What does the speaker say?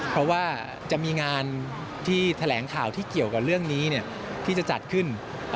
เพราะว่าจะมีงานที่แถลงข่าวที่เกี่ยวกับเรื่องนี้ที่จะจัดขึ้น